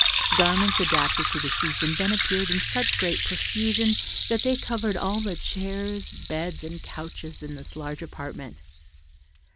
Garments adapted to the season then appeared in such great profusion that they covered all the chairs, beds, and couches in this large apartment.